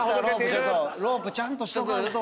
ちょっとロープちゃんとしとかんと。